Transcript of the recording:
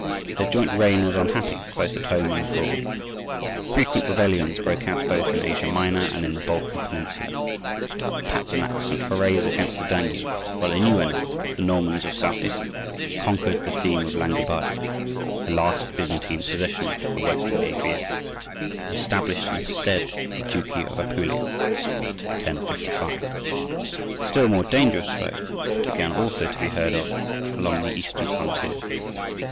Their joint reign was unhappy both at home and abroad. Frequent rebellions broke out both in Asia Minor and in the Balkan Peninsula. The Patzinaks sent forays across the Danube, while a new enemy, the Normans of South Italy, conquered the "theme of Langobardia," the last Byzantine possession to the West of the Adriatic, and established in its stead the duchy of Apulia . A still more dangerous foe began also to be heard of along the Eastern frontier.